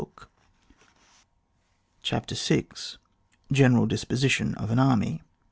[book v. CHAPTER VL GENERAL DISPOSITION OF AN ABMY.